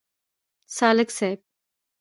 سالک صیب.